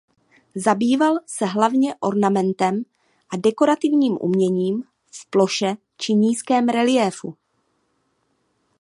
Zabýval se hlavně ornamentem a dekorativním uměním v ploše či nízkém reliéfu.